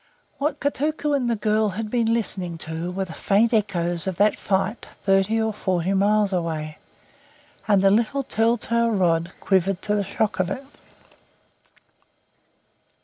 What Kotuko and the girl had been listening to were the faint echoes of that fight thirty or forty miles away, and the little tell tale rod quivered to the shock of it.